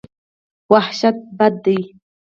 وحشت بد دی.